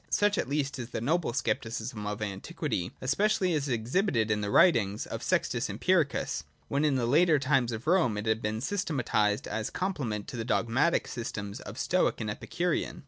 Such at least is the noble Scepticism of antiquity, especially as exhibited in the writings of Sextus Empiricus, when in the later times of Rome it had been systematised as a complement to the dogmatic systems of Stoic and Epi curean.